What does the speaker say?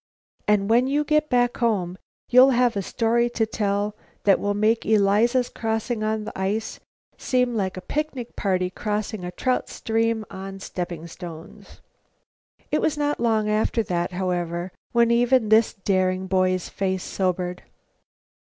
And when you get back home you'll have a story to tell that will make Eliza's crossing on the ice seem like a picnic party crossing a trout stream on stepping stones." It was not long after that, however, when even this daring boy's face sobered.